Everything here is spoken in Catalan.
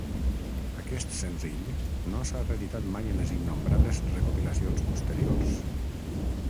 Aquest senzill no s'ha reeditat mai en les innombrables recopilacions posteriors.